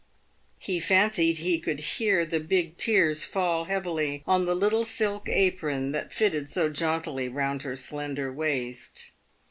He fancied he could hear the big tears fall heavily on the little silk apron that fitted so jauntily round her slender waist.